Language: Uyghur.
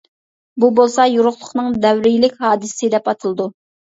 بۇ بولسا يورۇقلۇقنىڭ دەۋرىيلىك ھادىسىسى دەپ ئاتىلىدۇ.